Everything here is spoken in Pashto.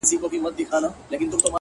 د شرابو خُم پر سر واړوه یاره”